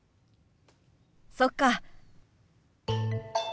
そっか。